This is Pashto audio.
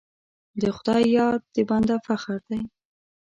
د خدای یاد د بنده فخر دی.